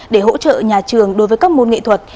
để hỗ trợ nhà trường đối với các môn nghệ thuật